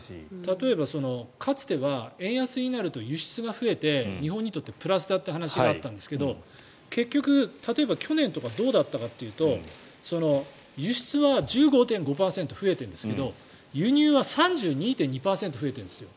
例えば、かつては円安になると輸出が増えて日本にとってプラスだという話があったんですが例えば去年とかどうだったかというと輸出は１５．５％増えてるんですが輸入は３２．２％増えてるんです。